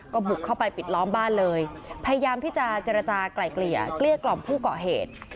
ก็บุกเข้าไปปิดล้อมบ้านเลยพยายามที่จะเจรจากลายเกลี่ยเกลี้ยกล่อมผู้ก่อเหตุ